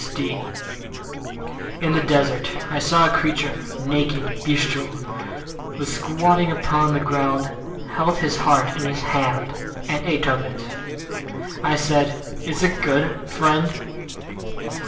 III In the desert I saw a creature, naked, bestial, who, squatting upon the ground, Held his heart in his hands, And ate of it. I said, "Is it good, friend?"